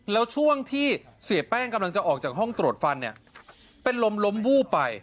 แล้วช่วงที่เสียแป้งกำลังจะออกจากห้องตรวจฟันเนี่ยเป็นลมล้มวูบไป